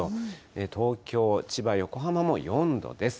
東京、千葉、横浜も４度です。